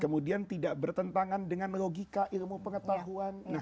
kemudian tidak bertentangan dengan logika ilmu pengetahuan